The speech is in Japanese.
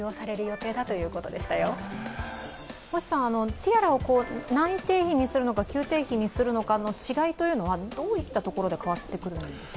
ティアラを内廷費にするのか、宮廷費にするのかの違いはどういったところで変わってくるんですか？